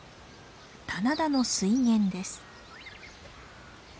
棚田の水源です。